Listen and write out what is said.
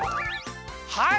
はい！